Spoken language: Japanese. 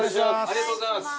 ありがとうございます。